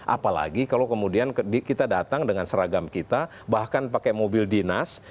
apalagi kalau kemudian kita datang dengan seragam kita bahkan pakai mobil dinas